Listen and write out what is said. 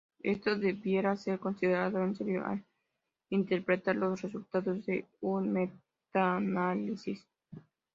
Esto debiera ser considerado en serio al interpretar los resultados de un metaanálisis.